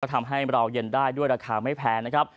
ทำให้เราเย็นได้ด้วยราคาไม่แพงนะครับ